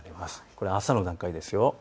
これ朝の段階です。